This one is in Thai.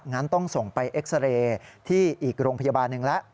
งั้นต้องส่งไปเอ็กซาเรย์ที่อีกโรงพยาบาลหนึ่งแล้ว